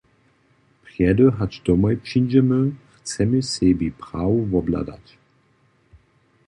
Prjedy hač domoj přińdźemy, chcemy sebi Prahu wobhladać.